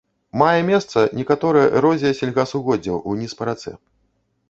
Мае месца некаторая эрозія сельгасугоддзяў уніз па рацэ.